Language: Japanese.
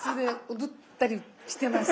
踊ったりしてます。